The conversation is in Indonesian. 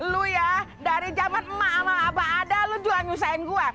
lu ya dari zaman emak sama abak ada lu juga nyusahin gue